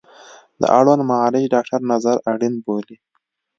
د اړوند معالج ډاکتر نظر اړین بولي